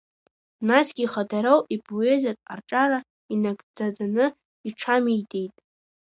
Насгьы ихадароу ипоезиатә рҿиара инагӡаӡаны иҽамеидеит.